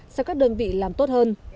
sao các đơn vị làm tốt hơn